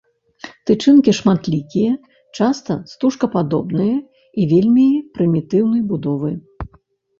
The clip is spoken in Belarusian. Тычынкі шматлікія, часта стужкападобныя і вельмі прымітыўнай будовы.